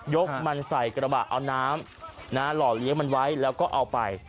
กมันใส่กระบะเอาน้ำหล่อเลี้ยงมันไว้แล้วก็เอาไป